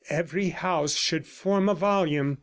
Every house should form a volume.